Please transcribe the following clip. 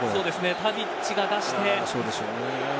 タディッチが出して。